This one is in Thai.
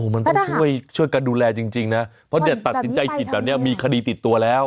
มันต้องช่วยกันดูแลจริงนะเพราะเนี่ยตัดสินใจผิดแบบนี้มีคดีติดตัวแล้ว